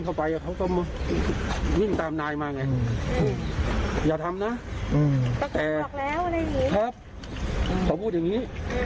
เขาพูดอย่างนี้